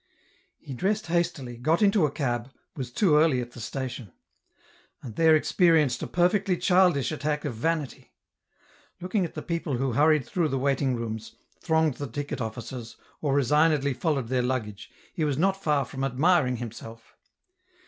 He dressed hastily, got into a cab, was too early at the station ; and there experienced a perfectly childish attack of vanity. Looking at the people who hurried through the waiting rooms, thronged the ticket offices, or resignedly followed their luggage, he was not far from adminng himself.